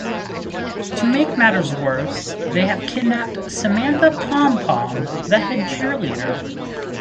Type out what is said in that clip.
To make matters worse, they have kidnapped Samantha Pompom, the head cheerleader.